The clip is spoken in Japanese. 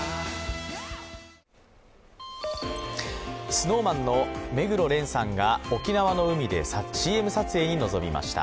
ＳｎｏｗＭａｎの目黒蓮さんが沖縄の海でＣＭ撮影に臨みました。